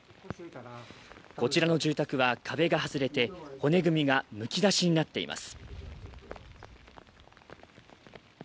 こちらの住宅は壁が外れて骨組みがむき出しになっています。